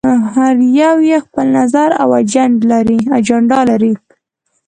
هر يو یې خپل نظر او اجنډا لري.